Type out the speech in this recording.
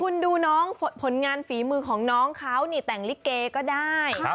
คุณดูน้องผลงานฝีมือของน้องเขานี่แต่งลิเกก็ได้